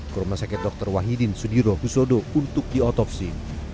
kurma sakit dr wahidin sudiro husodo untuk diotopsi